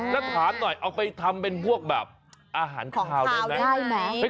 แล้วถามหน่อยเอาไปทำเป็นพวกแบบอาหารคาวได้ไหม